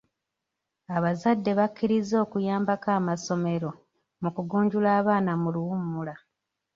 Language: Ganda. Abazadde bakkirizza okuyambako amasomero mu kugunjula abaana mu luwummula.